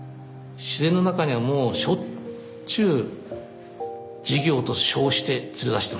自然の中にはもうしょっちゅう授業と称して連れ出してましたね。